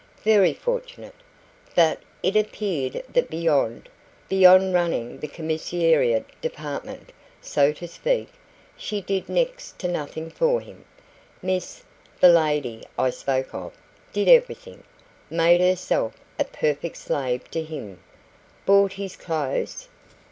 "Very fortunate. But it appeared that beyond beyond running the commissariat department, so to speak, she did next to nothing for him. Miss the lady I spoke of did everything. Made herself a perfect slave to him." "Bought his clothes?"